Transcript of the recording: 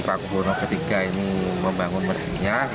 paku buwono iii membangun mesinnya